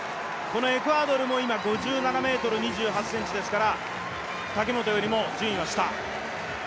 このエクアドルも５７ｍ２８ｃｍですから武本よりも順位は下。